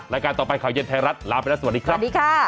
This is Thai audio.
ลาการต่อไปข่าวเย็นไทยรัฐลาไปแล้วสวัสดีครับ